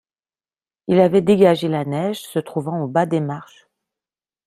Il avait dégagé la neige se trouvant au bas des marches.